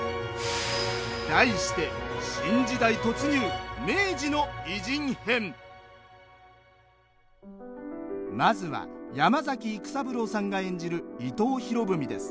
題してまずは山崎育三郎さんが演じる伊藤博文です。